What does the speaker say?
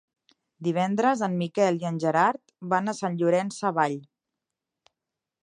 Divendres en Miquel i en Gerard van a Sant Llorenç Savall.